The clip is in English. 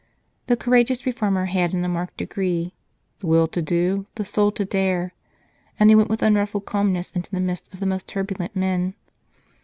The courageous reformer had in a marked degree " the will to do, the soul to dare," and he went with unruffled calmness into the midst of the most turbulent men.